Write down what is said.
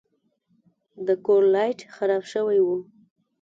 د کور لایټ خراب شوی و.